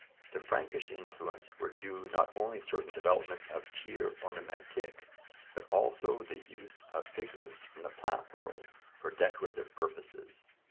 To Frankish influence were due not only certain developments of tier ornamentik but also the use of figures from the plant world for decorative purposes.